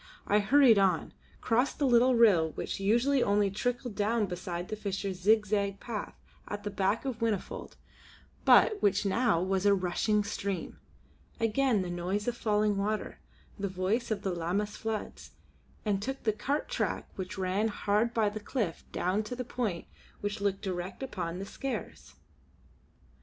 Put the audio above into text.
I hurried on, crossed the little rill which usually only trickled down beside the fishers' zigzag path at the back of Whinnyfold but which was now a rushing stream again the noise of falling water, the voice of the Lammas floods and took the cart track which ran hard by the cliff down to the point which looked direct upon the Skares.